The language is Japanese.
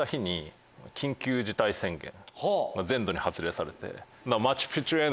全土に発令されて。